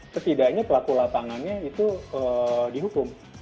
setidaknya pelaku lapangannya itu dihukum